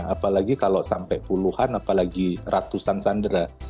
apalagi kalau sampai puluhan apalagi ratusan sandera